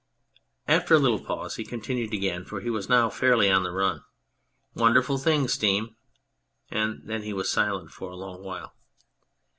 After a little pause he continued again, for he was now fairly on the run :" Wonderful thing steam !" and then he was silent for a long while.